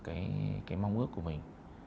cái mong ước của mình